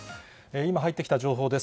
今入ってきた情報です。